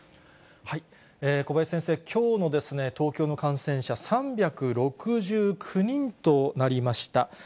小林先生、きょうの東京の感染者３６９人となりました。